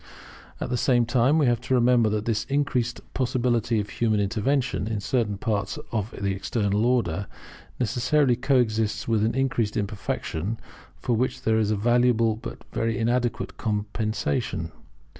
At the same time we have to remember that this increased possibility of human intervention in certain parts of the External Order necessarily coexists with increased imperfection, for which it is a valuable but very inadequate compensation.